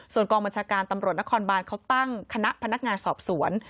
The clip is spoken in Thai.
ส่วนกองบัญชาการตำรวจนครบานเขาตั้งคณะพนักงานสอบสวน